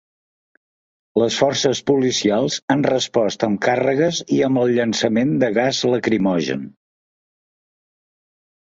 Les forces policials han respost amb càrregues i amb el llançament de gas lacrimogen.